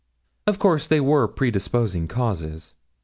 Of course there were predisposing causes.